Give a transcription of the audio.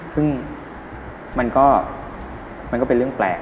ซึ่งมันก็เป็นเรื่องแปลก